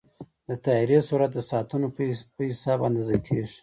د طیارې سرعت د ساعتونو په حساب اندازه کېږي.